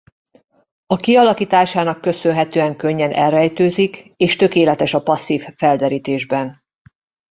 A kialakításának köszönhetően könnyen elrejtőzik és tökéletes a passzív felderítésben.